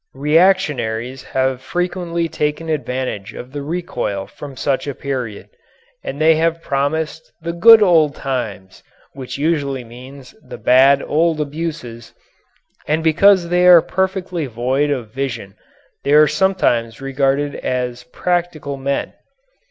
Reactionaries have frequently taken advantage of the recoil from such a period, and they have promised "the good old times" which usually means the bad old abuses and because they are perfectly void of vision they are sometimes regarded as "practical men."